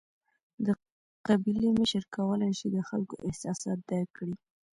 د قبیلې مشر کولای شي د خلکو احساسات درک کړي.